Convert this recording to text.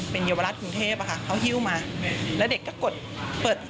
เป็นเยาวราชกรุงเทพอะค่ะเขาฮิ้วมาแล้วเด็กก็กดเปิด